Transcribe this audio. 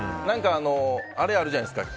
あれ、あるじゃないですか。